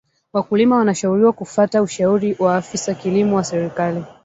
wakulima wanashauriwa kufata ushauri wa afis kilimo wa serekali